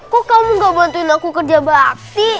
kok kamu gak bantuin aku kerja bakti